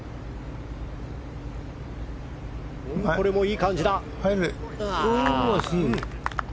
これもいい感じだ。